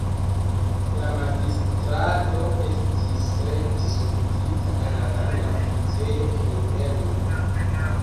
La magistrato estis rekte subigita al la landa oficejo en Brno.